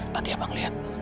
tadi abang lihat